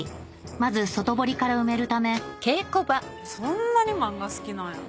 まず外堀から埋めるためそんなに漫画好きなんやね。